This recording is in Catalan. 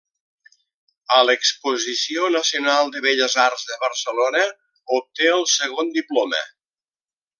A l'Exposició Nacional de Belles Arts de Barcelona Obté el segon diploma.